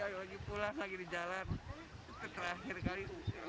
lagi pulang lagi di jalan terakhir kali